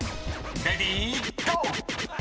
［レディーゴー！］